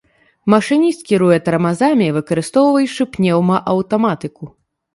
Машыніст кіруе тармазамі, выкарыстоўваючы пнеўмааўтаматыку.